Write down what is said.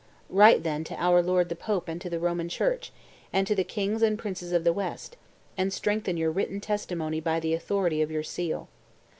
Write, then, to our lord the pope and to the Roman Church, and to the kings and princes of the West, and strengthen your written testimony by the authority of your seal.